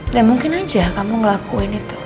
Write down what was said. dan mungkin aja kamu ngelakuin itu